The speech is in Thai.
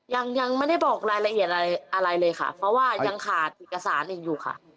ยังไม่ได้บอกรายละเอียดอะไรเลยค่ะเพราะว่ายังขาดเอกสารอีกอยู่ค่ะ